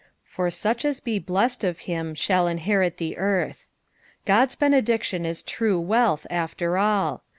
Fbr nich lu be bleued of him thall inhait the earth." God's benediction is tme wealth after all.